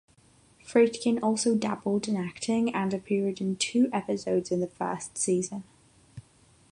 Friedkin also dabbled in acting and appeared in two episodes in the first season.